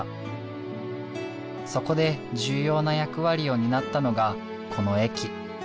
そこで重要な役割を担ったのがこの駅。